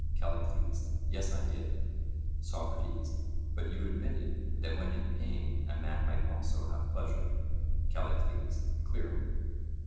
CALLICLES: Yes, I did. SOCRATES: But you admitted, that when in pain a man might also have pleasure? CALLICLES: Clearly.